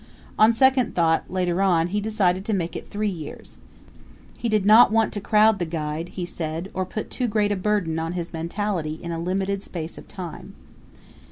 On second thought, later on, he decided to make it three years he did not want to crowd the guide, he said, or put too great a burden on his mentality in a limited space of time.